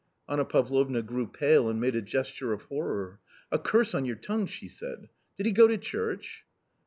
Anna Pavlovna grew pale and made a gesture of horror. " A curse on your tongue !" she said. " Did he go to church?"